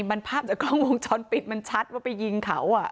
บรรพาบจากกล้องวงช้อนปิดมันชัดว่าไปยิงเขาอ่ะ